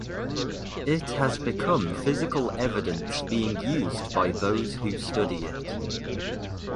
It has become physical evidence being used by those who study it.